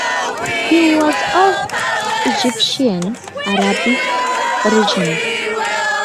He was of Egyptian arabic origins.